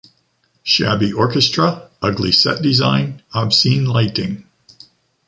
Shabby orchestra, ugly set design, obscene lighting.